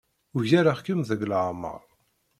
Ugareɣ-kem deg leɛmeṛ.